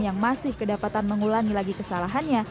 yang masih kedapatan mengulangi lagi kesalahannya